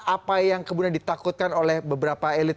apa yang kemudian ditakutkan oleh beberapa elit